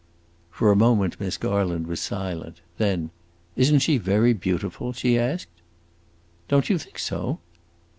For a moment Miss Garland was silent. Then, "Is n't she very beautiful?" she asked. "Don't you think so?"